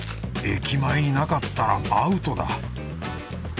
駅前になかったらアウトだ。